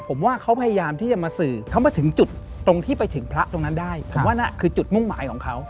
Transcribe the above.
ผมว่าเขาพยายามที่จะมาสื่อเขามาถึงจุดตรงที่ไปถึงพระตรงนั้นได้ผมว่านั่นคือจุดมุ่งหมายของเขา